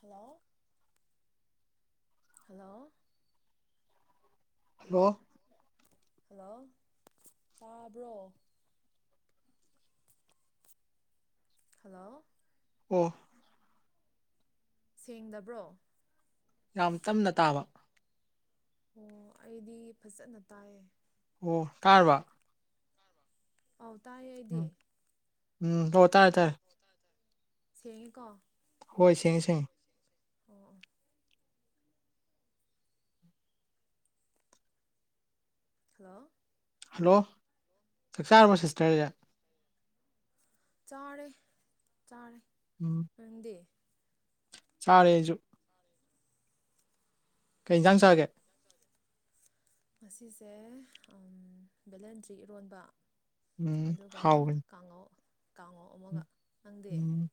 hello hello hello hello ꯇꯥꯕ꯭ꯔꯣ hello ꯑꯣ ꯁꯦꯡꯗꯕ꯭ꯔꯣ ꯌꯥꯝ ꯇꯝꯅ ꯇꯥꯕ ꯑꯣ ꯑꯩꯗꯤ ꯐꯖꯅ ꯇꯥꯏꯌꯦ ꯑꯣ ꯇꯥꯔꯕ ꯑꯧ ꯇꯥꯢꯌꯦ ꯑꯩꯗꯤ ꯎꯝ ꯎꯝ ꯍꯣ ꯇꯥꯔꯦ ꯇꯥꯔꯦ ꯁꯦꯡꯉꯦꯀꯣ ꯍꯣꯏ ꯁꯦꯡꯉꯦ ꯁꯦꯡꯉꯦ [inaudible] ꯍꯜꯂꯣ ꯍꯜꯂꯣ ꯆꯥꯛꯆꯥꯥꯔꯕꯣ ꯁꯤꯁꯇ꯭ꯔꯖꯦ ꯆꯥꯔꯦ ꯆꯥꯔꯦ ꯎꯝ ꯅꯪꯗꯤ ꯆꯥꯔꯦ ꯑꯩꯖꯨ ꯀꯩꯟꯖꯥꯡ ꯆꯥꯒꯦ ꯉꯁꯤꯖꯦ ꯑꯝ ꯚꯦꯂꯦꯟꯗ꯭ꯔꯤ ꯏꯔꯣꯟꯕ ꯎꯝ ꯑꯗꯨꯒ ꯍꯥꯎꯕꯅꯤ ꯀꯥꯡꯉꯧ ꯀꯥꯡꯉꯧ ꯑꯃꯒ ꯎꯝ ꯅꯪꯗꯤ ꯎꯝ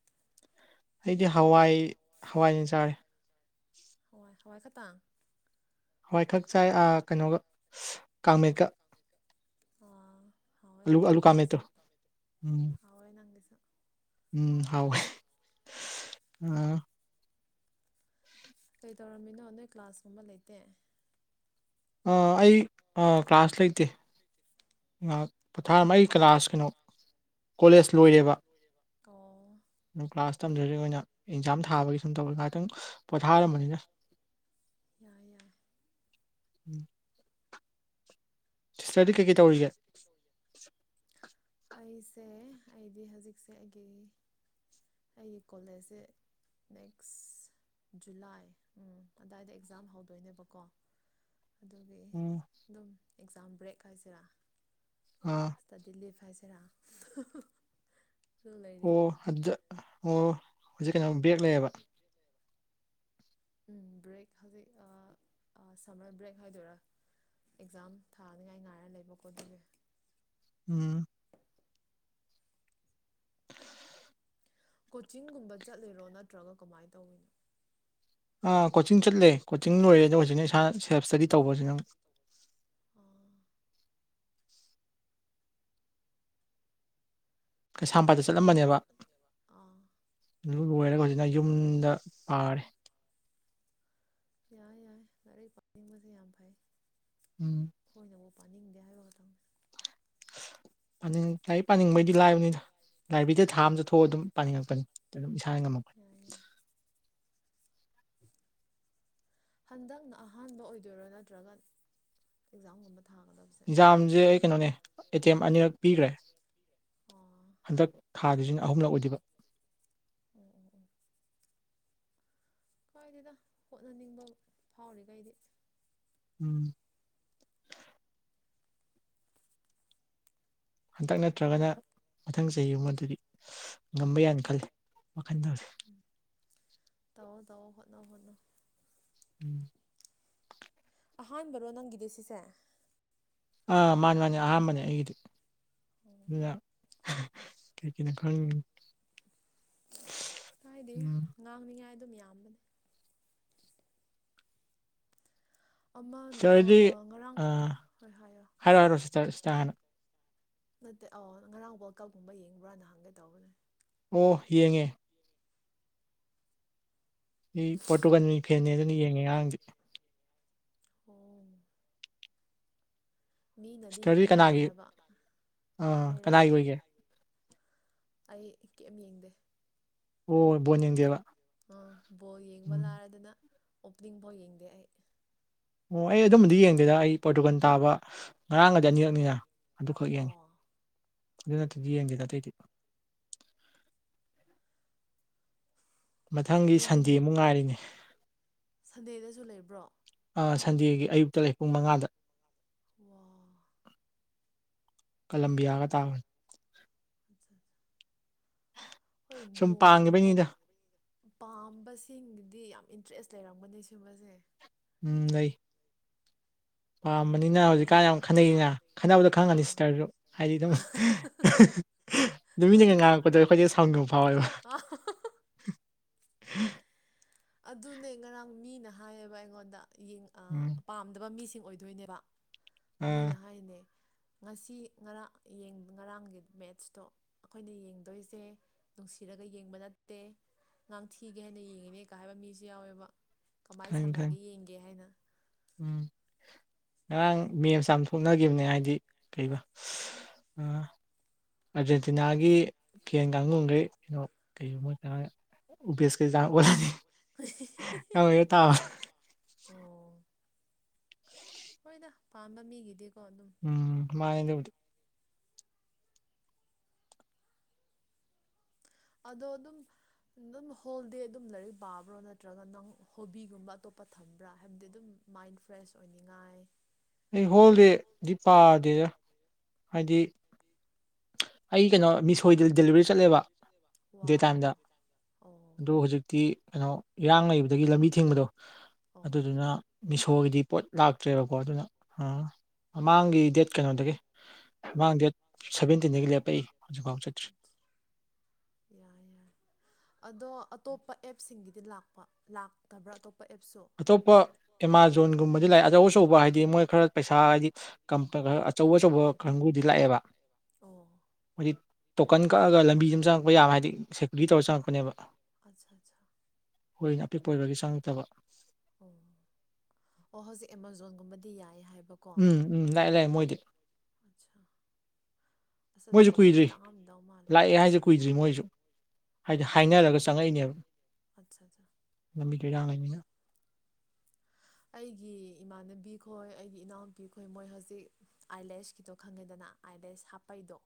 ꯑꯩꯗꯤ ꯍꯋꯥꯏ ꯍꯋꯥꯏ ꯑꯣꯢ ꯆꯥꯔꯦ ꯍꯋꯥꯢ ꯍꯋꯥꯏ ꯈꯠꯇꯪ ꯍꯋꯥꯏ ꯈꯛ ꯆꯥꯏ ꯑ ꯀꯩꯅꯣꯒ ꯀꯥꯡꯃꯦꯠꯀ ꯑꯥ ꯍꯥꯎꯋꯦ ꯑꯂꯨ ꯍꯥꯎꯋꯦ ꯑꯂꯨ ꯀꯥꯡꯃꯦꯠꯇꯨ ꯅꯪꯒꯤꯁꯨ ꯎꯝ ꯍꯥꯎꯋꯦ ꯅꯪꯒꯤꯁꯨ ꯎꯝ ꯍꯥꯎꯋꯦ ꯀꯩ ꯇꯧꯔꯝꯃꯤꯅꯣ ꯅꯣꯏ ꯀ꯭ꯂꯥꯁꯀꯨꯝꯕ ꯂꯩꯇꯦ ꯑ ꯑꯩ ꯑ ꯀ꯭ꯂꯥꯁ ꯂꯩꯇꯦ ꯉꯍꯥꯛ ꯄꯣꯊꯥꯔꯝ ꯑꯩ ꯀ꯭ꯂꯥꯁ ꯀꯩꯅꯣ ꯀꯣꯂꯦꯁ ꯂꯣꯏꯔꯦꯕ ꯑꯣ ꯀ꯭ꯂꯥꯁ ꯃꯇꯝꯗꯨꯗ ꯑꯣꯏꯅ ꯑꯦꯛꯖꯥꯝ ꯊꯥꯕꯒꯤ ꯁꯨꯝ ꯇꯧꯔꯤ ꯉꯥꯛꯇꯪ ꯄꯣꯊꯥꯔꯝꯕꯅꯤꯅ ꯌꯥꯏ ꯌꯥꯏ ꯎꯝ ꯁꯤꯁꯇ꯭ꯔꯗꯤ ꯀꯩꯀꯩ ꯇꯧꯔꯤꯒꯦ ꯑꯩꯁꯦ ꯑꯩꯒꯤ ꯍꯧꯖꯤꯛꯁꯦ ꯑꯩꯒꯤ ꯑꯩꯒꯤ ꯀꯣꯂꯦꯖꯁꯦ ꯅꯦꯛꯁ ꯖꯨꯂꯥꯏ ꯎꯝ ꯑꯗꯥꯏꯗ ꯑꯦꯛꯖꯥꯝ ꯍꯧꯗꯣꯏꯅꯦꯕꯀꯣ ꯑꯗꯨꯒꯤ ꯎꯝ ꯑꯗꯨꯝ ꯑꯦꯛꯖꯥꯝ ꯕ꯭ꯔꯦꯛ ꯍꯥꯏꯁꯤꯔꯥ ꯑꯥ ꯁ꯭ꯇꯗꯤ ꯂꯤꯐ [inaudible] ꯂꯩꯔꯤ ꯑꯣ ꯑꯗꯨꯗꯥ ꯑꯣ ꯍꯧꯖꯤꯛ ꯀꯩꯅꯣ ꯕꯦꯛ ꯂꯩꯌꯦꯕ ꯎꯝ ꯕ꯭ꯔꯦꯛ ꯍꯧꯖꯤꯛ ꯑ ꯁꯝꯃꯔ ꯕ꯭ꯔꯦꯛ ꯍꯥꯏꯗꯣꯏꯔꯥ ꯑꯦꯛꯖꯥꯝ ꯊꯥꯅꯤꯡꯉꯥꯏ ꯉꯥꯏꯔ ꯂꯩꯕꯀꯣ ꯑꯗꯨꯒꯤ ꯎꯝ ꯀꯣꯆꯤꯡꯒꯨꯝꯕ ꯆꯠꯂꯤꯔꯣ ꯅꯠꯇ꯭ꯔꯒ ꯀꯃꯥꯏꯅ ꯇꯧꯋꯤꯅꯣ ꯀꯣꯆꯤꯡ ꯆꯠꯂꯦ ꯀꯣꯆꯤꯡ ꯂꯣꯏꯔꯦ ꯑꯗꯣ ꯍꯧꯖꯤꯛꯅ ꯏꯁꯥꯅ ꯁꯦꯜꯞ ꯏꯁꯇꯗꯤ ꯇꯧꯕꯁꯤꯅꯪ ꯑꯥ ꯂꯥꯏꯔꯤꯛ ꯀꯩꯁꯥꯝꯄꯥꯠꯇ ꯄꯥꯅꯤꯡꯕ ꯆꯠꯂꯝꯕꯅꯦꯕ ꯑꯥ ꯑꯗꯨ ꯂꯣꯏꯔꯒ ꯍꯧꯖꯤꯛꯅ ꯌꯨꯝꯗ ꯄꯥꯔꯦ ꯌꯥꯏ ꯌꯥꯏ ꯂꯥꯏꯔꯤꯛ ꯄꯥꯅꯤꯡꯕꯁꯦ ꯌꯥꯝ ꯐꯩ ꯎꯝ ꯑꯩꯈꯣꯏꯅꯕꯨ ꯄꯥꯅꯤꯡꯗꯦ ꯍꯥꯏꯕ ꯈꯛꯇꯪ ꯅꯤꯡ ꯂꯥꯏꯔꯤꯛ ꯄꯥꯅꯤꯡꯕꯩꯗꯤ ꯂꯥꯏꯕꯅꯤꯅ ꯂꯥꯏꯕꯦꯔꯤꯗ ꯊꯥ ꯑꯃꯁꯁꯨ ꯊꯣꯛꯑꯒ ꯑꯗꯨꯝ ꯄꯥꯅꯤꯡꯉꯛꯄꯅꯤ ꯑꯗꯨꯝ ꯁ ꯉꯝꯃꯣꯏ ꯌꯥꯏ ꯌꯥꯏ ꯍꯟꯗꯛꯅ ꯑꯍꯥꯟꯕ ꯑꯣꯏꯗꯣꯏꯔꯣ ꯅꯠꯇ꯭ꯔꯒ ꯑꯦꯛꯖꯥꯝꯒꯨꯝꯕ ꯊꯥꯒꯗꯕꯁꯦ ꯑꯦꯟꯖꯥꯝꯁꯦ ꯑꯩ ꯀꯩꯅꯣꯅꯦ ꯑꯦ ꯇꯤ ꯑꯦꯝ ꯑꯅꯤꯔꯛ ꯄꯤꯈ꯭ꯔꯦ ꯑꯣ ꯍꯟꯗꯛ ꯊꯥꯒꯤꯁꯤꯅ ꯑꯍꯨꯝꯂꯛ ꯑꯣꯏꯔꯤꯕ ꯑꯣ ꯑꯣ ꯑꯣ ꯀꯋꯥꯏꯗꯅ ꯍꯣꯠꯅꯅꯤꯡꯕ ꯐꯥꯎꯔꯤꯈꯩꯗꯤ ꯎꯝ ꯍꯟꯇꯛ ꯅꯠꯇ꯭ꯔꯒꯅ ꯃꯊꯪ ꯆꯍꯤꯒꯨꯝꯕꯗꯗꯤ ꯉꯝꯕ ꯌꯥꯅ ꯈꯜꯂꯤ ꯋꯥꯈꯟꯗ ꯍꯧꯖꯤꯛ ꯇꯧꯑꯣ ꯇꯧꯑꯣ ꯍꯠꯅꯧ ꯐꯠꯅ ꯎꯝ ꯑꯍꯥꯟꯕꯔꯣ ꯅꯪꯒꯤꯗꯤ ꯁꯤꯁꯦ ꯑꯥ ꯃꯥꯅꯤ ꯃꯥꯅꯤ ꯑꯍꯥꯟꯕꯅꯦ ꯑꯩꯒꯤꯗꯤ ꯑꯣ ꯑꯗꯨꯅ ꯈꯪ ꯀꯥꯏꯗꯦ ꯉꯥꯡꯅꯤꯉꯥꯏ ꯑꯗꯨꯝ ꯌꯥꯝꯕꯅꯦ ꯑꯃ ꯁꯤꯁꯇꯔꯗꯤ ꯉꯔꯥꯡ ꯍꯣꯏ ꯍꯥꯏꯌꯣ ꯆꯥꯅ ꯅꯠꯇꯦ ꯑꯧ ꯉꯔꯥꯡ ꯋꯥꯜ ꯀꯞꯀꯨꯝꯕ ꯌꯦꯡꯕ꯭ꯔꯥ ꯅꯍꯥꯟꯒꯦ ꯇꯧꯕꯅꯦ ꯑꯣ ꯌꯦꯡꯉꯦ ꯑꯩ ꯄꯣꯇꯨꯒꯟ ꯐꯦꯟꯅ ꯑꯗꯨꯅ ꯌꯦꯡꯉꯦ ꯑꯉꯥꯡꯗꯤ ꯑꯣ ꯃꯤꯅꯗꯤ ꯁꯤꯁꯇꯔꯗꯤ ꯌꯦꯡꯅꯤꯡꯗꯦ ꯀꯅꯥꯒꯤ ꯍꯥꯏꯕ ꯑꯥ ꯑꯩꯔꯥ ꯀꯅꯥꯒꯤ ꯑꯣꯏꯒꯦ ꯑꯩ ꯀꯝ ꯌꯦꯡꯗꯦ ꯑꯣ ꯣꯅꯤ ꯗꯦꯔ ꯑ ꯕꯣꯜ ꯌꯦꯡꯕ ꯂꯥꯔꯗꯅ ꯑꯣꯄꯅꯤꯡ ꯕꯣꯜ ꯌꯦꯡꯗꯦ ꯑꯩ ꯑꯣ ꯑꯩ ꯑꯗꯨꯝꯕꯗꯤ ꯌꯦꯡꯗꯦꯗ ꯑꯩ ꯄꯣꯔꯇꯨꯒꯥꯟ ꯇꯥꯕ ꯉꯔꯥꯡꯒꯗꯤ ꯑꯅꯤꯔꯛꯅꯤꯅ ꯑꯗꯨꯈ ꯌꯥꯅꯤ ꯑꯣ ꯑꯗꯨꯗꯤ ꯌꯦꯦꯗ ꯇꯇ ꯃꯊꯪꯒꯤ ꯁꯟꯗꯦ ꯌꯦꯡꯃꯤꯟ ꯑꯃꯨꯛ ꯉꯥꯏꯔꯤꯅꯦ ꯁꯟꯗꯦꯗꯁꯨ ꯂꯩꯕ꯭ꯔꯣ ꯁꯟꯗꯦꯒꯤ ꯑꯌꯨꯛꯇ ꯄꯨꯡ ꯃꯉꯥꯗ ꯋꯥ ꯀꯂꯦꯝꯂꯝꯕꯤꯌꯥꯒ ꯇꯥꯕꯟ ꯑꯠꯆꯥꯆꯥ ꯍꯣꯏ ꯁꯨꯝ ꯕꯣꯜꯒꯨꯝꯕ ꯄꯥꯡꯒꯤꯕꯩꯅꯤꯗ ꯄꯥꯝꯕꯁꯤꯡꯗꯤ ꯌꯥꯝ ꯏꯟꯇꯔꯦꯁ ꯂꯩꯔꯝꯒꯅꯤ ꯁꯤꯨꯝꯕꯁꯦ ꯎꯝ ꯂꯩ ꯑꯩꯈꯣꯏꯅꯗꯤ ꯄꯥꯝꯕꯅꯤꯅ ꯍꯧꯖꯤꯛꯀꯥꯟ ꯌꯥꯝ ꯌꯦꯡꯅꯤꯡꯗꯕꯅꯤꯅ ꯈꯟꯅꯩꯅ ꯈꯟꯅꯕꯗ ꯈꯪꯉꯅꯤ ꯑꯥ ꯁꯤꯁꯇꯔꯁꯨ ꯍꯥꯏꯗꯤ ꯑꯗꯨꯝ ꯅꯨꯃꯤꯠꯅꯤꯒ ꯈꯪꯉꯦ ꯈꯪꯉꯦ ꯉꯥꯡꯉꯛꯄꯗꯣ ꯑꯩꯈꯣꯏꯁꯦ ꯁꯥꯎꯗ ꯐꯥꯎꯋꯦꯕ ꯍꯝ ꯑ ꯑꯗꯨꯅꯦ ꯉꯔꯥꯡ ꯃꯤꯅ ꯍꯥꯏꯌꯦꯕ ꯑꯩꯉꯣꯟꯗ ꯎꯝ ꯄꯥꯝꯗꯕ ꯃꯤꯁꯤꯡ ꯑꯣꯏꯗꯣꯏꯅꯦꯕ ꯑꯥ ꯃꯣꯏꯅ ꯍꯥꯏꯔꯤꯅꯦ ꯉꯁꯤ ꯉꯔꯥꯡ ꯉꯔꯥꯡꯒꯤ ꯃꯦꯠꯁꯇꯣ ꯑꯩꯈꯣꯏꯅ ꯌꯦꯡꯗꯣꯏꯁꯦ ꯅꯨꯡꯁꯤꯔꯒ ꯌꯦꯡꯕ ꯅꯠꯇꯦ ꯑꯥꯡ ꯊꯤꯒꯦ ꯍꯥꯏꯅ ꯌꯦꯡꯉꯤꯅꯦ ꯀꯣꯏ ꯍꯥꯏꯕ ꯃꯤꯁꯨ ꯌꯥꯎꯋꯦꯕ ꯀꯃꯥꯏꯅ ꯈꯪꯉꯤ ꯁꯥꯟꯅꯒꯦ ꯈꯪꯉꯤ ꯌꯦꯡꯒꯦ ꯍꯥꯏꯅ ꯎꯝ ꯉꯔꯥꯡ ꯃꯦꯝ ꯆꯝꯊꯣꯛꯅꯈꯤꯕꯅꯦ ꯍꯥꯏꯗꯤ ꯀꯩꯕ ꯑ ꯑꯥꯔꯖꯦꯟꯇꯤꯅꯥꯒꯤ ꯀꯦꯟ ꯀꯥꯡꯒꯨꯈꯩ ꯀꯩꯅꯣ ꯀꯩꯒꯨꯝꯕ ꯑꯥ ꯁ ꯀꯣꯅꯤ ꯇ ꯑꯣ ꯄꯥꯝꯕ ꯃꯤꯒꯤꯗꯤ ꯎꯝ ꯃꯥꯅꯦ ꯑ ꯑꯗꯨꯝ ꯑꯗꯨꯝ ꯍꯣꯜꯗꯦ ꯑꯗꯨꯝ ꯂꯥꯏꯔꯤꯛ ꯄꯥꯕ꯭ꯔꯣ ꯅꯠꯇ꯭ꯔꯒ ꯅꯪ ꯍꯣꯕꯤꯒꯨꯝꯕ ꯑꯇꯣꯞꯄ ꯊꯝꯕ꯭ꯔꯥ ꯍꯥꯏꯕꯗꯤ ꯑꯗꯨꯝ ꯃꯥꯏꯟ ꯐ꯭ꯔꯦꯁ ꯑꯣꯏꯅꯤꯡꯉꯥꯏ ꯑꯩ ꯍꯣꯜꯗꯦꯗꯤ ꯄꯥꯗꯦꯔ ꯍꯥꯏꯗꯤ ꯑꯩ ꯀꯩꯅꯣ ꯃꯤꯁꯣꯏꯗ ꯗꯦꯂꯤꯚꯔꯤ ꯆꯠꯂꯦꯕ ꯗꯦ ꯋꯥꯎ ꯇꯥꯏꯝꯗ ꯑꯣ ꯑꯗꯨ ꯍꯧꯖꯤꯛꯇꯤ ꯀꯩꯅꯣ ꯏꯔꯥꯡ ꯂꯩꯕꯗꯒꯤ ꯂꯝꯕꯤ ꯊꯤꯡꯕꯗꯣ ꯑꯣ ꯑꯗꯨꯗꯨꯅ ꯊꯣꯒꯤꯗꯤ ꯄꯣꯠ ꯂꯥꯛꯇ꯭ꯔꯦꯕꯀꯣ ꯑꯗꯨꯅ ꯑ ꯃꯃꯥꯡꯒꯤ ꯗꯦꯠ ꯀꯩꯅꯣꯗꯒꯤ ꯃꯥꯡ ꯗꯦꯠ ꯁꯚꯦꯟꯇꯤꯟꯗꯒꯤ ꯂꯦꯞꯄꯛꯏ ꯍꯧꯖꯤꯛꯐꯥꯎ ꯆꯠꯇ꯭ꯔꯤ ꯌꯥꯔ ꯌꯥꯔ ꯑꯗꯣ ꯑꯇꯣꯞꯄ ꯑꯦꯞꯁꯤꯡꯒꯤꯗꯤ ꯂꯥꯛꯄ ꯂꯥꯛꯇꯕ꯭ꯔꯥ ꯑꯇꯣꯞ ꯑꯇꯣꯞꯄ ꯑꯦꯃꯥꯖꯣꯟꯒꯨꯝꯕꯗꯤ ꯂꯥꯛꯑꯦ ꯑꯆꯧ ꯑꯆꯧꯕ ꯍꯥꯏꯗꯤ ꯃꯣꯏ ꯈꯔ ꯄꯩꯁꯥ ꯍꯥꯏꯗꯤ ꯈꯔ ꯑꯆꯧ ꯑꯆꯧꯕ ꯀꯥꯡꯕꯨꯗꯤ ꯂꯥꯛꯑꯦꯕ ꯑꯣ ꯍꯥꯏꯗꯤ ꯇꯣꯀꯟ ꯀꯛꯑꯒ ꯂꯝꯕꯤ ꯑꯃ ꯆꯪꯉꯛꯄ ꯌꯥꯕ ꯍꯥꯏꯗꯤ ꯁꯦꯀ꯭ꯌꯨꯔꯤꯇꯤ ꯇꯧꯔ ꯆꯪꯉꯛꯄꯅꯦꯕ ꯑꯆꯥ ꯑꯆꯥ ꯑꯩꯈꯣꯏꯅ ꯑꯄꯤꯛꯄ ꯑꯣꯏꯕꯒꯤ ꯆꯪꯉꯛꯇꯕ ꯑꯣ ꯑꯣ ꯍꯧꯖꯤꯛ ꯑꯦꯃꯥꯖꯣꯟꯒꯨꯝꯕꯗꯤ ꯌꯥꯏ ꯍꯥꯏꯕ ꯎꯝ ꯎꯝ ꯂꯥꯛ ꯂꯩꯥꯛ ꯃꯣꯏꯗꯤ ꯑꯠꯆꯥ ꯑꯁ ꯑꯗꯨꯗꯤ ꯃꯣꯏꯁꯨ ꯄꯣꯠ ꯆꯩꯗꯤ ꯀꯨꯏꯗ꯭ꯔꯤ ꯇꯥꯡꯉꯝꯗꯧ ꯃꯥꯜꯂꯦ ꯂꯥꯛꯑꯦ ꯍꯥꯏꯁꯦ ꯀꯨꯏꯗ꯭ꯔꯤ ꯃꯣꯏꯁꯨ ꯍꯥꯏꯗꯤ ꯑꯥ ꯍꯥꯏꯅꯔꯒ ꯆꯪꯉꯛꯏꯅꯦꯕ ꯑꯠꯆꯥ ꯑꯠꯆꯥ ꯂꯝꯕꯤ ꯊ ꯏꯔꯥꯡꯉꯅꯤꯅ ꯑꯩꯒꯤ ꯏꯃꯥꯟꯅꯕꯤ ꯈꯣꯏ ꯑꯩꯒꯤ ꯏꯅꯥꯎꯅꯨꯄꯤ ꯈꯣꯏ ꯃꯣꯏ ꯍꯧꯖꯤꯛ ꯑꯥꯏꯂꯦꯁꯀꯤꯗꯣ ꯈꯪꯉꯦꯗꯅ ꯑꯗ ꯍꯥꯄꯩꯗꯣ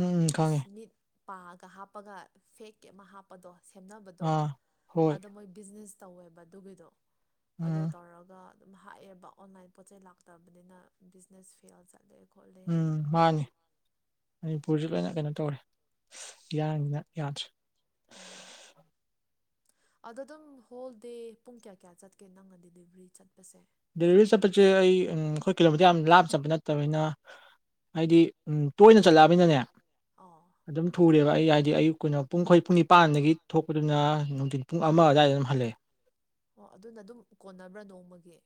ꯎꯝ ꯏ ꯈꯉꯦ ꯄꯥꯑꯒ ꯍꯥꯞꯄꯒ ꯐꯦꯛꯀꯤ ꯑꯃ ꯍꯥꯞꯄꯗꯣ ꯁꯦꯝꯅꯕꯗꯣ ꯑꯥ ꯍꯣꯏ ꯑꯗꯣ ꯃꯣꯏ ꯕꯤꯖꯤꯅꯦꯁ ꯇꯧꯋꯦꯕ ꯑꯗꯨꯒꯤꯗꯣ ꯑꯗꯣ ꯎꯝ ꯇꯧꯔꯒ ꯑꯗꯨꯝ ꯍꯥꯥꯛꯑꯦꯕ ꯑꯣꯟꯂꯥꯏꯟ ꯄꯣꯠ ꯆꯩꯩ ꯂꯥꯛꯇꯕꯅꯤꯅ ꯕꯤꯖꯤꯅꯦꯁ ꯐꯦꯜ ꯆꯠꯂꯦ ꯈꯣꯠꯂꯦ ꯎꯝ ꯍꯥꯏꯅ ꯃꯥꯅꯦ ꯍꯨꯔꯁꯨ ꯂꯣꯏꯅ ꯀꯩꯅꯣ ꯇꯧꯔꯦ ꯌꯥꯡꯅꯤꯅ ꯌꯥꯗ꯭ꯔꯦ ꯑꯗꯣ ꯑꯗꯨꯝ ꯍꯣꯜ ꯗꯦ ꯄꯨꯡ ꯀꯌꯥ ꯀꯌꯥ ꯆꯠꯀꯦ ꯅꯪꯅ ꯗꯤꯂꯤꯚꯔꯤ ꯆꯠ ꯗꯂꯤꯚꯔꯤꯁꯄꯦ ꯑꯩꯣꯏ ꯀꯤꯂꯣꯃꯤꯇꯔ ꯌꯥꯝ ꯂꯥꯞ ꯆꯠꯄ ꯅꯠꯇꯕꯅꯤꯅ ꯍꯥꯏꯗꯤ ꯎ ꯇꯣꯏꯅ ꯆꯠꯂꯛꯑꯕꯅꯤꯅꯅꯦ ꯑꯣ ꯑꯗꯨꯝ ꯊꯨꯨꯔꯦꯕ ꯁꯤ ꯑꯌꯨꯛꯀꯤꯩꯅ ꯄꯨꯡ ꯑꯩꯈꯣꯏ ꯄꯨꯡ ꯅꯤꯄꯥꯟꯗꯒꯤ ꯊꯣꯛꯄꯗꯨꯅ ꯅꯨꯡꯊꯤꯟ ꯄꯨꯡ ꯑꯃ ꯑꯗꯨꯋꯥꯏꯗ ꯑꯗꯨꯝ ꯍꯜꯂꯛꯑꯦ ꯑꯣ ꯑꯗꯨꯅ ꯑꯗꯨꯝ ꯀꯣꯟꯅꯕ꯭ꯔꯥ ꯅꯣꯡꯃꯒꯤ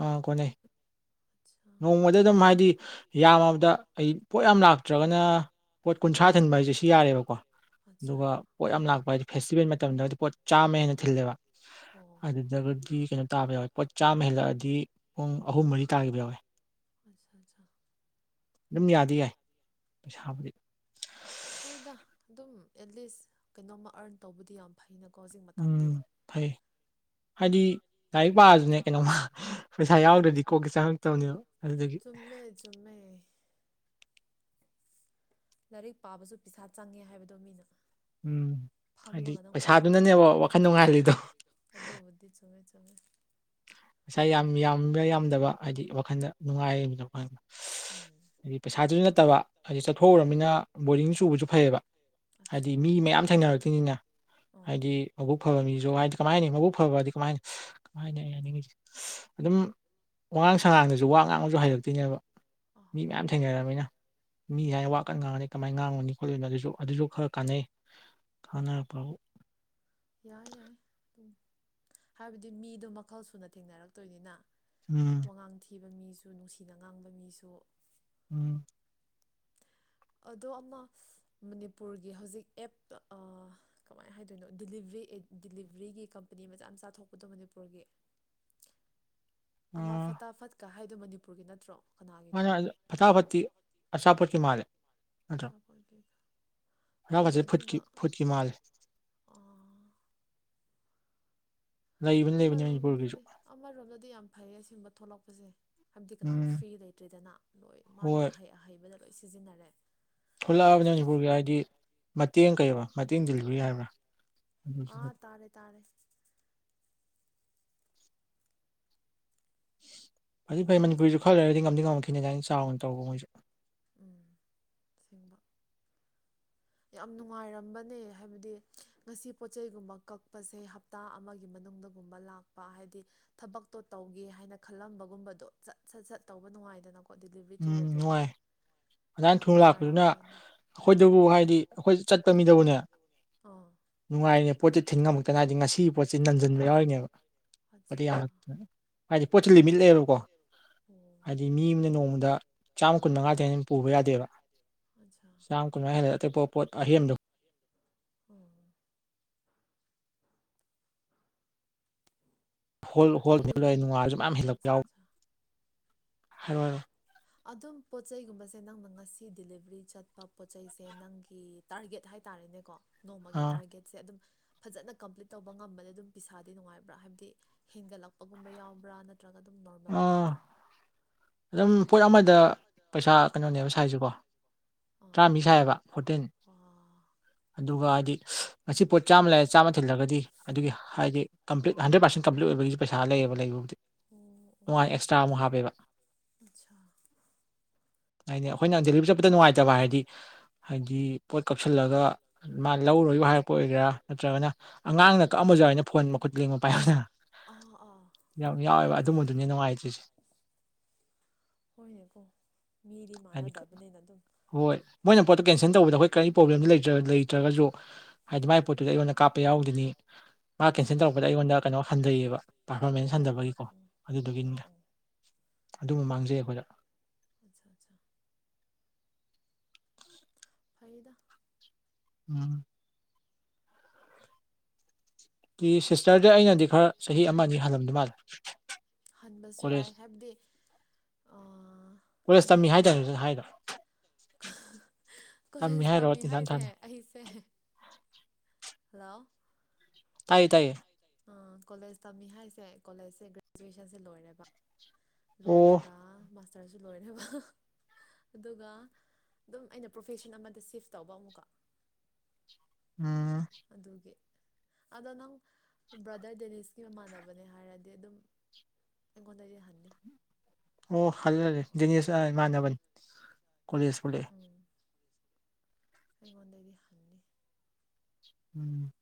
ꯑ ꯀꯣꯅꯩ ꯑꯠꯆꯥ ꯅꯣꯡꯃꯗ ꯑꯗꯨꯝ ꯍꯥꯏꯗꯤ ꯌꯥꯝꯃꯕꯗ ꯑꯩ ꯄꯣꯠ ꯌꯥꯝ ꯂꯥꯛꯇ꯭ꯔꯒꯅ ꯄꯣꯠ ꯀꯨꯟꯊ꯭ꯔꯥ ꯊꯟꯕ ꯍꯥꯏꯁꯦ ꯁꯤ ꯌꯥꯔꯦꯕꯀꯣ ꯑꯠꯆꯥ ꯑꯗꯨꯒ ꯄꯣꯠ ꯌꯥꯝ ꯂꯥꯛꯄ ꯍꯥꯏꯗꯤ ꯐꯦꯁꯇꯤꯚꯦꯜ ꯃꯇꯝꯗꯗꯤ ꯄꯣꯠ ꯆꯥꯝꯃꯦ ꯍꯥꯏꯅ ꯊꯤꯜꯂꯦꯕ ꯑꯣ ꯑꯗꯨꯒꯗꯤ ꯀꯩꯅꯣ ꯇꯥꯕ ꯌꯥꯎꯋꯦ ꯄꯣꯠ ꯆꯥꯝꯃ ꯍꯦꯜꯂꯛꯑꯗꯤ ꯗꯤ ꯄꯨꯡ ꯑꯍꯨꯝ ꯃꯔꯤ ꯇꯥꯈꯤꯕ ꯌꯥꯎꯋꯦ ꯑꯆꯥ ꯑꯠꯆꯥꯆꯥ ꯑꯗꯨꯝ ꯌꯥꯗꯤ ꯌꯥꯏ ꯄꯩꯁꯥꯕꯨꯗꯤ ꯍꯣꯏꯗ ꯑꯗꯨꯝ ꯑꯦꯠꯂꯤꯁ ꯀꯩꯅꯣꯝꯃ ꯑꯔꯟ ꯇꯧꯕꯗꯤ ꯌꯥꯝ ꯐꯩꯅ ꯎꯝ ꯐꯩ ꯍꯥꯏꯗꯤ ꯂꯥꯏꯔꯤꯛ ꯄꯥꯔꯁꯨꯅꯦ ꯀꯩꯅꯣꯝꯃ ꯄꯩꯁꯥ ꯌꯥꯎꯗ꯭ꯔꯗꯤ ꯀꯣꯛꯀꯦ ꯆꯪꯉꯛꯇꯕꯅꯦꯕ ꯑꯗꯨꯗꯒꯤ ꯆꯨꯝꯃꯦ ꯆꯨꯝꯃꯦ ꯂꯥꯏꯔꯤꯛ ꯄꯥꯕꯁꯨ ꯄꯩꯁꯥ ꯆꯪꯉꯦ ꯍꯥꯏꯕꯗꯣ ꯃꯤꯅ ꯎꯝ ꯍꯥꯏꯗꯤ ꯐꯝꯃꯒ ꯅꯪ ꯄꯥꯕꯗꯤ ꯄꯩꯁꯥꯗꯨꯅꯅꯦꯕ ꯌꯥ ꯋꯥꯈꯜ ꯅꯨꯡꯉꯥꯏꯍꯜꯂꯤꯗꯣ ꯑꯗꯨꯕꯨꯗꯤ [inaudible] ꯄꯩꯁꯥ ꯌꯥꯝ ꯌꯥꯝꯕ ꯌꯥꯝꯗꯕ ꯍꯥꯏꯗꯤ ꯋꯥꯈꯟꯗ ꯅꯨꯡꯉꯥꯏꯈ ꯎꯝ ꯍꯥꯏꯗꯤ ꯄꯩꯁꯥꯗꯨꯏ ꯅꯠꯇꯕ ꯍꯥꯏꯗꯤ ꯆꯠꯊꯣꯛꯎꯔꯕꯅꯤꯅ ꯕꯣꯔꯤꯡ ꯆꯨꯕꯁꯨ ꯐꯩꯌꯦꯕ ꯑꯠꯆꯥ ꯍꯥꯏꯗꯤ ꯃꯤ ꯃꯌꯥꯝ ꯊꯦꯡꯅꯔꯛꯇꯣꯏꯅꯤꯅ ꯑꯥ ꯍꯥꯏꯗꯤ ꯃꯕꯨꯛ ꯐꯕ ꯃꯤ ꯀꯃꯥꯏꯅꯤ ꯃꯕꯨꯛ ꯐꯕꯗꯤ ꯀꯃ ꯀꯃꯥꯏ ꯑꯩ ꯍꯥꯏꯅꯤꯡꯉꯤꯁꯦ ꯑꯗꯨꯝ ꯋꯉꯥꯡ ꯁꯉꯥꯡꯗꯁꯨ ꯋꯥ ꯉꯥꯡꯕꯁꯨ ꯍꯩꯔꯛꯇꯣꯏꯅꯦꯕ ꯑꯥ ꯃꯤ ꯑꯥ ꯃꯌꯥꯝ ꯑꯥ ꯊꯦꯡꯅꯔꯕꯃꯤꯅ ꯃꯤ ꯍꯣꯏ ꯍꯥꯏꯅ ꯋꯥ ꯍꯣꯏ ꯀꯟꯅ ꯉꯥꯡꯉꯅꯤ ꯀꯃꯥꯏ ꯉꯥꯡꯉꯨꯅꯤ ꯑꯩꯈꯣꯏ ꯑꯗꯨꯁꯨ ꯑꯗꯨꯁꯨ ꯈꯔ ꯀꯥꯟꯅꯩ ꯀꯥꯟꯅꯔꯛꯄꯕꯨ ꯌꯥꯏ ꯌꯥꯏ ꯗꯨꯝ ꯍꯥꯏꯕꯗꯤ ꯃꯤꯗꯣ ꯃꯈꯜ ꯁꯨꯅ ꯊꯦꯡꯅꯔꯛꯇꯣꯏꯅꯤꯅ ꯎꯝ ꯋꯥꯉꯥꯡ ꯊꯤꯕ ꯃꯤꯁꯨ ꯅꯨꯡꯁꯤꯅ ꯉꯥꯡꯕ ꯃꯤꯁꯨ ꯎꯝ ꯑꯗꯣ ꯑꯃ ꯃꯅꯤꯄꯨꯔꯒꯤ ꯍꯧꯖꯤꯛ ꯑꯦꯞꯇ ꯀꯃꯥꯏꯅ ꯍꯥꯏꯗꯣꯏꯅꯣ ꯗꯤꯂꯤꯕꯔꯤ ꯗꯤꯂꯤꯕ꯭ꯔꯤꯒꯤ ꯀꯝꯄꯅꯤ ꯃꯆꯥꯃꯆꯥꯥꯊꯣꯛꯄꯗꯣ ꯃꯅꯤꯄꯨꯔꯒꯤ [inaudible] ꯑꯃ ꯑꯥ ꯐꯠꯇ ꯐꯠꯀ ꯍꯥꯏꯗꯣ ꯃꯅꯤꯄꯨꯔꯒꯤ ꯅꯠꯇ꯭ꯔꯣ ꯀꯅꯥꯒꯤꯅꯣ ꯃꯥꯅ ꯐꯊꯥ ꯐꯇꯤ ꯑꯆꯥꯥꯄꯠꯀꯤ ꯃꯥꯂꯦ ꯆꯄꯣ ꯀꯦꯀ ꯔꯒꯁꯦ ꯐꯨꯠꯀꯤ ꯐꯨꯠꯀꯤ ꯃꯥꯂꯦ ꯂꯩꯕꯅꯤ ꯃꯅꯤꯄꯨꯔꯒꯤꯁꯨ ꯑꯃꯔꯣꯝꯗꯗꯤ ꯑꯃꯔꯣꯝꯗꯗꯤ ꯌꯥꯝ ꯐꯩꯌꯦ ꯑꯁꯤꯒꯨꯝꯕ ꯊꯣꯛꯂꯛꯄꯁꯦ ꯍꯥꯏꯕꯗꯤ ꯀꯅꯥꯝ ꯎꯝ ꯐ꯭ꯔꯤ ꯂꯩꯇ꯭ꯔꯤꯗꯅ ꯂꯣꯏ ꯃꯥꯒꯤ ꯍꯣꯏ ꯑꯍꯩ ꯑꯍꯩꯕꯗ ꯂꯣꯏ ꯁꯤꯖꯤꯟꯅꯔꯦ ꯊꯣꯛꯂꯛꯑꯕꯅꯤ ꯃꯅꯤꯄꯨꯔꯒꯤ ꯍꯥꯏꯗꯤ ꯃꯇꯦꯡ ꯀꯩꯕ ꯃꯇꯦꯡ ꯗꯤꯂꯤꯕꯔꯤ ꯍꯥꯏꯕ꯭ꯔꯥ ꯑꯗꯨꯁꯨ ꯑꯥ ꯇꯥꯔꯦ ꯇꯥꯔꯦ ꯐꯗꯤ ꯐꯩ ꯃꯅꯤꯄꯨꯔꯁꯨ ꯈꯔ ꯂꯩꯔꯗꯤ ꯉꯝꯗꯤ ꯉꯝꯃꯈꯤꯅꯤ ꯑꯗꯥꯏꯅ ꯆꯥꯎꯅ ꯇꯧꯕ ꯃꯣꯏꯁꯨ ꯎꯝ ꯁꯦꯡꯕ ꯌꯥꯝ ꯅꯨꯡꯉꯥꯏꯔꯝꯕꯅꯦ ꯍꯥꯏꯕꯗꯤ ꯉꯁꯤ ꯄꯣꯠꯆꯩꯒꯨꯝꯕ ꯀꯛꯄꯁꯦ ꯍꯞꯇꯥ ꯑꯃꯒꯤ ꯃꯅꯨꯡꯗꯒꯨꯝꯕ ꯂꯥꯛꯄ ꯍꯥꯏꯗꯤ ꯊꯕꯛꯇꯣ ꯇꯧꯒꯦ ꯍꯥꯏꯅ ꯈꯜꯂꯝꯕꯒꯨꯝꯕꯗꯣ ꯆꯠ ꯁꯠ ꯁꯠ ꯇꯧꯕ ꯅꯨꯡꯉꯥꯏꯗꯅꯀꯣ ꯗꯦꯂꯤꯚꯔꯤ ꯊꯨꯔꯗꯤ ꯑꯗꯥꯏ ꯌꯥꯝ ꯊꯨꯅ ꯂꯥꯛꯄꯗꯨꯅ ꯅꯨꯡꯉꯥꯏꯔꯝꯕꯅꯦ ꯑꯩꯈꯣꯏꯗꯕꯨ ꯑꯗꯨꯅꯦ ꯍꯥꯏ ꯑꯩꯈꯣꯏ ꯆꯠꯄ ꯃꯤꯗꯕꯨꯅꯦ ꯑꯥ ꯅꯨꯡꯉꯥꯏꯅꯦ ꯄꯣꯠꯁꯦ ꯊꯤꯟ ꯉꯝꯃꯛꯇꯅ ꯍꯥꯏꯗꯤ ꯉꯁꯤꯒꯤ ꯄꯣꯠꯁ ꯅꯟꯖꯟꯕ ꯌꯥꯎꯔꯤꯅꯦꯕ ꯑꯗꯤ ꯑꯠꯆꯥ ꯌꯥꯝꯅ ꯍꯥꯏꯗꯤ ꯄꯣꯠꯁꯦ ꯂꯤꯃꯤꯠ ꯂꯩꯌꯦꯕꯀꯣ ꯑꯣ ꯍꯥꯏꯗꯤ ꯃꯤ ꯑꯃꯅ ꯅꯣꯡꯃꯗ ꯆꯥꯝꯃ ꯀꯨꯟ ꯃꯉꯥꯗꯅ ꯄꯨꯕ ꯌꯥꯗꯦꯕ ꯑꯠꯆꯥ ꯆꯥꯝ ꯀꯨꯟꯃꯥ ꯍꯗ ꯑꯇꯩ ꯄꯣꯠ ꯑꯍꯦꯟꯗꯣ ꯑꯝ ꯍꯣꯜ ꯍꯣꯜ ꯂ ꯑꯩ ꯅꯨꯡꯉꯥꯔꯁꯨ ꯃꯌꯥꯝ ꯍꯦꯜꯂꯛꯄ ꯑꯠꯆꯥ ꯌꯥꯎ ꯑꯠꯆꯥ ꯑꯗꯨꯝ ꯄꯣꯠ ꯆꯩꯩꯒꯨꯝꯕꯁꯦ ꯅꯪꯅ ꯉꯁꯤ ꯗꯤꯂꯤꯚꯔꯤ ꯆꯠꯄ ꯄꯣꯠꯆꯩꯁꯦ ꯅꯪꯒꯤ ꯇꯥꯔꯒꯦꯠ ꯍꯥꯏꯔꯦ ꯇꯥꯔꯦꯅꯦꯀꯣ ꯅꯣꯡꯃꯒꯤ ꯑꯥ ꯇꯥꯔꯒꯦꯠꯁꯦ ꯑꯗꯨꯝ ꯐꯖꯅ ꯀꯝꯄ꯭ꯂꯤꯠ ꯇꯧꯕ ꯉꯝꯕꯅꯦ ꯑꯗꯨꯝ ꯄꯩꯁꯥꯗꯤ ꯅꯨꯡꯉꯥꯏꯕ꯭ꯔꯥ ꯍꯥꯏꯕꯗꯤ ꯍꯦꯟꯒꯠꯂꯛꯄꯒꯨꯝꯕ ꯌꯥꯎꯕ꯭ꯔꯥ ꯅꯠ ꯅꯠꯇ꯭ꯔꯒ ꯑꯗꯨꯝ ꯅꯣꯔꯃꯦꯜ ꯑꯥ ꯔꯦꯠꯇ ꯑꯗꯨꯝ ꯄꯣꯠ ꯑꯃꯗ ꯄꯩꯁꯥ ꯀꯩꯅꯣꯅꯦꯕ ꯁꯥꯏꯖꯦꯀꯣ ꯑꯥ ꯇ꯭ꯔꯥꯃꯤ ꯁꯥꯏꯕ ꯐꯣꯇꯤꯟ ꯋꯥ ꯑꯗꯨꯒ ꯍꯥꯏꯗꯤ ꯉꯁꯤ ꯄꯣꯠ ꯆꯥꯝꯃ ꯂꯩꯔꯦ ꯆꯥꯝꯃ ꯊꯤꯜꯂꯒꯗꯤ ꯑꯗꯨꯒꯤ ꯍꯥꯏꯗꯤ ꯀꯝꯄ꯭ꯂꯤꯠ ꯍꯟꯗ꯭ꯔꯦꯠ ꯄꯔꯁꯦꯟ ꯀꯝꯄ꯭ꯂꯤꯠ ꯑꯣꯏ ꯑꯣꯏꯕꯒꯤ ꯄꯩꯁꯥ ꯂꯩꯌꯦꯕ ꯂꯩꯕꯕꯨꯗꯤ ꯎꯝ ꯇꯣꯉ ꯑꯦꯛꯁꯇ꯭ꯔꯥ ꯑꯃꯨꯛ ꯍꯥꯞꯄꯦꯕ ꯑꯠꯁꯥ ꯍꯥꯏꯗꯤ ꯑꯩꯈꯣꯏꯅ ꯗꯦꯜꯕꯤ ꯆꯠ ꯄꯗ ꯅꯨꯡꯉꯥꯏꯇꯕ ꯍꯥꯏꯗꯤ ꯍꯥꯏꯗꯤ ꯄꯣꯠ ꯀꯛꯁꯤꯜꯂꯒ ꯃꯥ ꯂꯧꯔꯣꯏ ꯌ ꯍꯥꯏꯔꯛꯄ ꯑꯣꯏꯒꯦꯔꯥ ꯅꯠꯇ꯭ꯔꯒꯅ ꯑꯉꯥꯡꯅ ꯀꯛꯝꯕꯁꯨꯏꯅ ꯐꯣꯟ ꯃꯈꯨꯠ ꯂꯦꯡꯕ ꯄꯥꯏꯌꯨꯗꯅ ꯑ ꯌꯥꯝ ꯌꯥꯎꯋꯦꯕ ꯑꯗꯨꯝꯕꯗꯨꯅꯤ ꯅꯨꯡꯉꯥꯏꯇ꯭ꯔꯤꯁꯦ ꯍꯣꯏꯅꯦꯀꯣ ꯃꯤꯗꯤ ꯍꯥꯏꯗꯤ ꯃꯥꯟꯅꯗꯕꯅꯤꯅ ꯑꯗꯨꯝ ꯍꯣꯏ ꯃꯣꯏꯅ ꯄꯣꯠꯇꯣ ꯀꯦꯟꯁꯦꯜ ꯇꯧꯕꯗ ꯑꯩꯈꯣꯏ ꯀꯔꯤ ꯄ꯭ꯔꯣꯕ꯭ꯂꯦꯝꯗꯨ ꯂꯩ ꯂꯩꯇ꯭ꯔꯒꯁꯨ ꯍꯥꯏꯗꯤ ꯃꯥꯏ ꯄꯣꯠꯇꯨꯗ ꯑꯩꯉꯣꯟꯗ ꯀꯥꯄ ꯌꯥꯏ ꯌꯥꯎꯗꯅꯤ ꯃꯥ ꯑꯠꯁꯥ ꯀꯦꯟꯁꯦꯜ ꯇꯧꯔꯛꯄꯗ ꯑꯩꯉꯣꯟꯗ ꯀꯩꯅꯣ ꯍꯟꯊꯩꯌꯦꯕ ꯄꯥꯔꯐꯣꯔꯃꯦꯟꯁ ꯑꯣ ꯑꯣ ꯍꯟꯊꯕꯒꯤꯀꯣ ꯑꯣ ꯑꯣ ꯑꯗꯨꯒꯤꯅꯤ ꯑꯣ ꯑꯗꯨꯝꯕ ꯃꯥꯡꯖꯩ ꯑꯩꯈꯣꯏꯗ ꯑꯆꯥ ꯑꯆꯥ ꯐꯗ ꯎꯝ ꯁꯤꯁꯇꯔꯗꯤ ꯑꯩꯅꯗꯤ ꯈꯔ ꯆꯍꯤ ꯑꯃ ꯑꯅꯤ ꯍꯜꯂꯝꯗ ꯃꯥꯜꯂꯦ ꯍꯟꯕꯁꯨ ꯀꯣꯂꯦꯖ ꯌꯥꯏ ꯍꯥꯏꯕꯗꯤ ꯑꯥ ꯀꯣꯂꯦꯖ ꯇꯝꯃꯤ ꯈꯪꯗꯦꯅꯦ ꯍꯥꯏꯇꯥꯔꯦ ꯍꯥꯏꯗꯣ ꯀꯣꯆꯦꯟꯁ ꯇꯝꯃꯤ ꯍꯥꯏꯁꯦ ꯑꯩꯁꯦ ꯍꯜꯂꯣ ꯇꯥꯏ ꯇꯥꯏꯦ ꯀꯣꯂꯦꯖ ꯇꯝꯃꯤ ꯍꯥꯏꯁꯦ ꯀꯣꯂꯦꯖꯁꯦ ꯒ꯭ꯔꯦꯖꯨꯑꯦꯁꯟꯁꯦ ꯂꯣꯏꯔꯦꯕ ꯑꯣ ꯂꯣꯏꯔꯒ ꯃꯥꯁꯇꯔꯁꯨ ꯂꯣꯏꯔꯕ ꯑꯗꯨꯒ ꯑꯗꯨꯝ ꯑꯩꯅ ꯄ꯭ꯔꯣꯐꯦꯁꯟ ꯑꯃꯗ ꯁꯤꯐ ꯇꯧꯕ ꯑꯃꯨꯛꯀ ꯎꯝ ꯑꯗꯨꯒꯤ ꯑꯗꯣ ꯅꯪ ꯕ꯭ꯔꯥꯗꯔ ꯗꯦꯅꯤꯁꯀꯤ ꯃꯃꯥꯟꯅꯕꯅꯦ ꯍꯥꯏꯔꯗꯤ ꯑꯗꯨꯝ ꯑꯩꯒꯣꯟꯗꯗꯤ ꯍꯥꯏꯅꯤ ꯑꯣ ꯍꯜꯂꯦ ꯍꯂꯦ ꯅꯤꯁ ꯏꯃꯅꯕꯅꯤ ꯀꯣꯂꯦꯖ ꯄꯨꯂꯦ ꯀꯒꯗꯗꯤꯔꯤ ꯍꯥꯟꯅꯤ ꯎꯝ